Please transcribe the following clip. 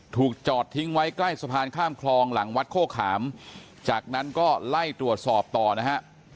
ถูกจอดทิ้งไว้ใกล้สะพานข้ามคลองหลังวัดโคขามจากนั้นก็ไล่ตรวจสอบต่อนะฮะ